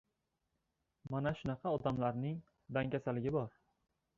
Mana shunaqa odamlarning dangasaligi bor.